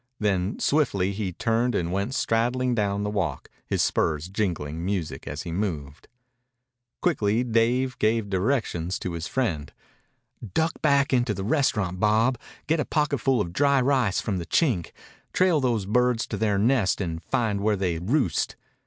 Then, swiftly, he turned and went straddling down the walk, his spurs jingling music as he moved. Quickly Dave gave directions to his friend. "Duck back into the restaurant, Bob. Get a pocketful of dry rice from the Chink. Trail those birds to their nest and find where they roost.